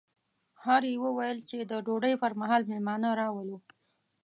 هر یوه ویل چې د ډوډۍ پر مهال مېلمانه راولو.